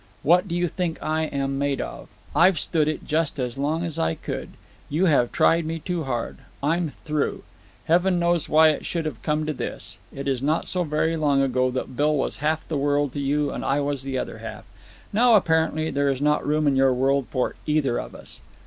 What do you think I am made of? I've stood it just as long as I could; you have tried me too hard. I'm through. Heaven knows why it should have come to this. It is not so very long ago that Bill was half the world to you and I was the other half. Now, apparently, there is not room in your world for either of us."